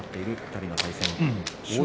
２人の対戦。